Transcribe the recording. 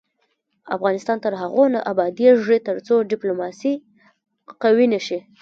افغانستان تر هغو نه ابادیږي، ترڅو ډیپلوماسي قوي نشي.